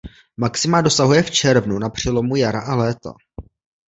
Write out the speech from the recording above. Maxima dosahuje v červnu na přelomu jara a léta.